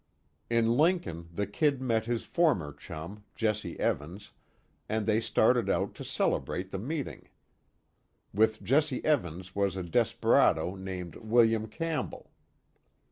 In Lincoln the "Kid" met his former chum, Jesse Evans, and they started out to celebrate the meeting. With Jesse Evans was a desperado named William Campbell.